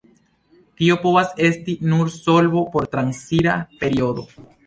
Tio povas esti nur solvo por transira periodo.